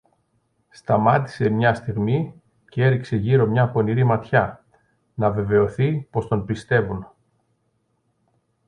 Σταμάτησε μια στιγμή κι έριξε γύρω μια πονηρή ματιά, να βεβαιωθεί πως τον πιστεύουν.